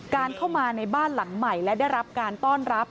เข้ามาในบ้านหลังใหม่และได้รับการต้อนรับ